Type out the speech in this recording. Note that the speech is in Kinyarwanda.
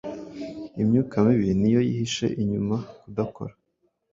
Imyuka mibi ni yo yihishe inyuma kudakora.